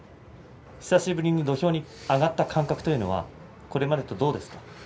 久しぶりに土俵に上がった感覚というのはこれまでとどうですか？